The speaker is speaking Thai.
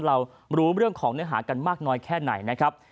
เรารู้เรื่องของเนื้อหากันมากน้อยแค่ไหนนะครับ